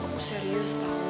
masih cantik kok